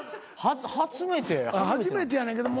初めてやねんけど